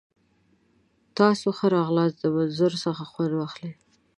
تاسو ښه راغلاست. د منظرو څخه خوند واخلئ!